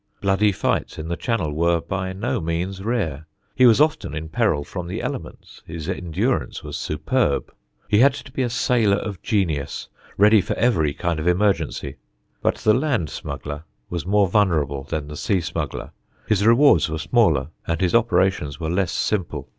Bloody fights in the Channel were by no means rare. He was also often in peril from the elements; his endurance was superb; he had to be a sailor of genius, ready for every kind of emergency. But the land smuggler was more vulnerable than the sea smuggler, his rewards were smaller, and his operations were less simple.